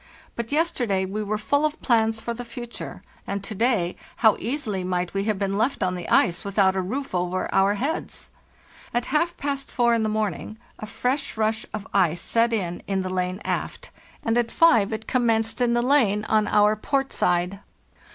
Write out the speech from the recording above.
But yesterday we were full of plans for the future, and to day how easily might we have been left on the ice without a roof over our heads! At half past four in the morning a fresh rush of ice set in in the lane aft, and at five it commenced 46 PARIA EST UNGRTT in the lane on our port side.